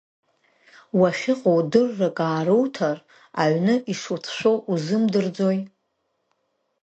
Уахьыҟоу дыррак ааруҭар, аҩны ишуцәшәо узымдырӡои?